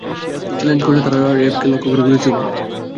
Challenge করলে তারা র্যাবকে লক্ষ্য করে গুলি ছোড়ে।